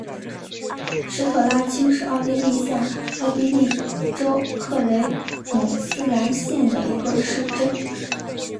施特拉青是奥地利下奥地利州克雷姆斯兰县的一个市镇。